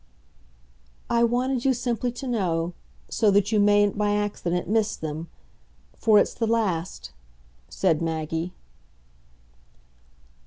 "I wanted you simply to know so that you mayn't by accident miss them. For it's the last," said Maggie.